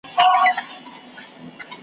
درلېږل چي مي نظمونه هغه نه یم .